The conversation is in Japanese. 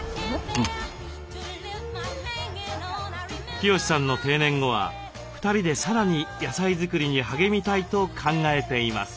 清志さんの定年後は２人でさらに野菜作りに励みたいと考えています。